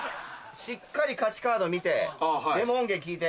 しっかり歌詞カード見てデモ音源聞いて。